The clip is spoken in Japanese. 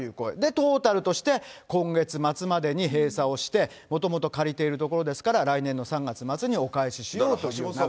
トータルとして、今月末までに閉鎖をして、もともと借りている所ですから、来年の３月末にお返ししようという流れ。